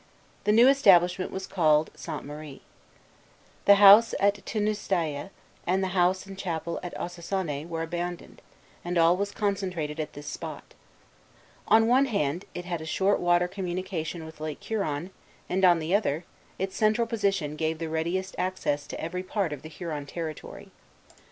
The new establishment was called Sainte Marie. The house at Teanaustayé, and the house and chapel at Ossossané, were abandoned, and all was concentrated at this spot. On one hand, it had a short water communication with Lake Huron; and on the other, its central position gave the readiest access to every part of the Huron territory.